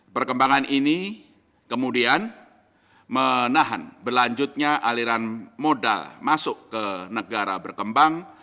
perkembangan ini kemudian menahan berlanjutnya aliran modal masuk ke negara berkembang